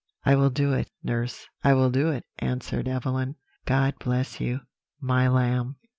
"'I will do it, nurse; I will do it,' answered Evelyn. "'God bless you, my lamb!'